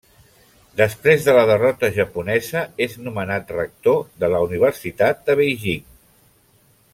Després de la derrota japonesa és nomenat rector de la Universitat de Beijing.